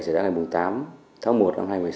sẽ đã ngày tám tháng một năm hai nghìn một mươi sáu